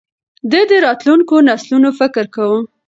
ده د راتلونکو نسلونو فکر کاوه.